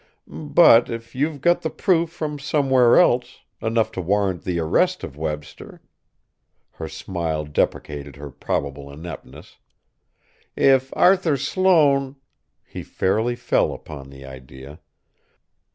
"But, if you got the proof from somewhere else, enough to warrant the arrest of Webster " Her smile deprecated her probable ineptness. "If Arthur Sloane " He fairly fell upon the idea.